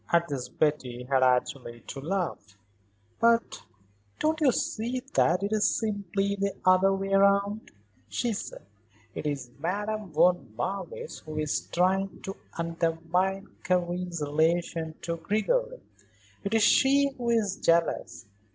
At this Betty had actually to laugh. "But don't you see that it is simply the other way round?" she said. "It is Madame von Marwitz who is trying to undermine Karen's relation to Gregory. It is she who is jealous.